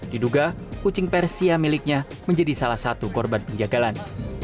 diduga kucing persia miliknya menjadi salah satu korban penjagalan